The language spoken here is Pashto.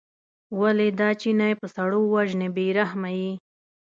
ولې دا چینی په سړو وژنې بې رحمه یې.